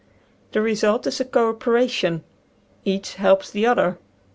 The result is a co operation. Each helps the other.